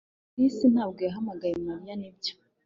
Chris ntabwo yahamagaye Mariya nibyo